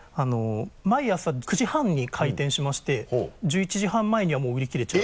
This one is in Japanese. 毎朝９時半に開店しまして１１時半前にはもう売り切れちゃう。